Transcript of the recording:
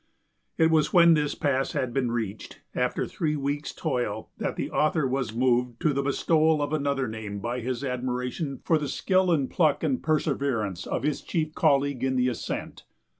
It was when this pass had been reached, after three weeks' toil, that the author was moved to the bestowal of another name by his admiration for the skill and pluck and perseverance of his chief colleague in the ascent.